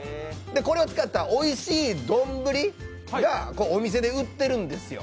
これを使ったおいしい丼がお店で売ってるんですよ。